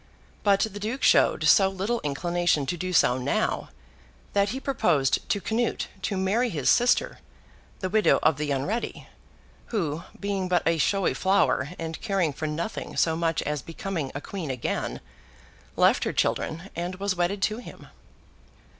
But the Duke showed so little inclination to do so now, that he proposed to Canute to marry his sister, the widow of The Unready; who, being but a showy flower, and caring for nothing so much as becoming a queen again, left her children and was wedded to him.